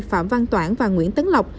phạm văn toản và nguyễn tấn lộc